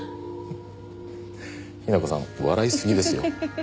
雛子さん笑いすぎですよ。